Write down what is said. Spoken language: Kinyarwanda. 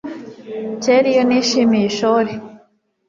kera iyo nishimiye ishuri